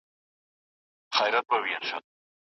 ژورنالیزم پوهنځۍ له پامه نه غورځول کیږي.